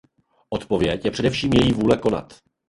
Odpověď je především její vůle konat.